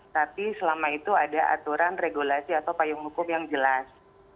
tapi selama itu ada aturan regulasi atau payung hukum yang jelas